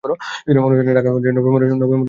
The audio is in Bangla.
অনুষ্ঠানটি ঢাকা কলেজে নভেম্বর মাসে অনুষ্ঠিত হয়েছিলো।